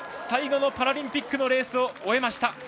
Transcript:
最後のパラリンピックのレースを終えました。